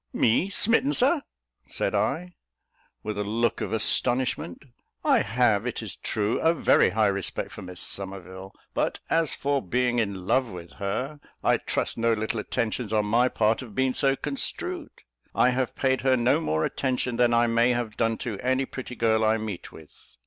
"Me smitten, Sir?" said I, with a look of astonishment. "I have, it is true, a very high respect for Miss Somerville; but as for being in love with her, I trust no little attentions on my part have been so construed. I have paid her no more attention than I may have done to any pretty girl I meet with."